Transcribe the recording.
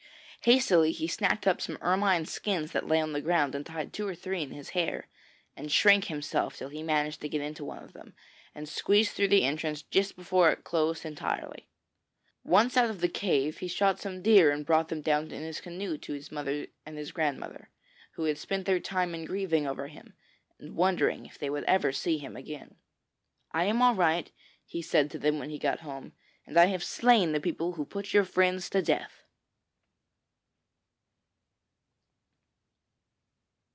Hastily he snatched up some ermine skins that lay on the ground and tied two or three in his hair, and shrank himself till he managed to get into one of them, and squeezed through the entrance just before it closed entirely. Once out of the cave he shot some deer and brought them down in his canoe to his mother and his grandmother, who had spent their time in grieving over him and wondering if they would ever see him again. 'I am all right,' he said to them when he got home; 'and I have slain the people who put your friends to death.'